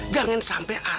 jangan sampai arman dekat